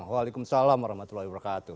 walaikum assalam warahmatullahi wabarakatuh